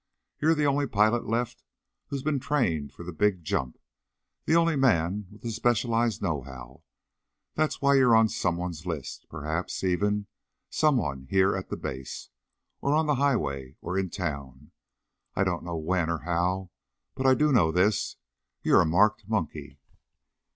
You're the only pilot left who's been trained for the big jump the only man with the specialized know how. That's why you're on someone's list. Perhaps, even, someone here at the Base ... or on the highway ... or in town. I don't know when or how but I do know this: You're a marked monkey."